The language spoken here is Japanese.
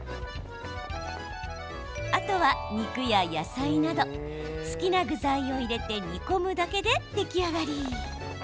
あとは、肉や野菜など好きな具材を入れて煮込むだけで出来上がり。